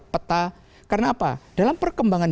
peta karena apa dalam perkembangan